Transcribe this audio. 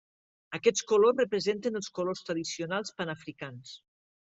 Aquests colors representen els colors tradicionals panafricans.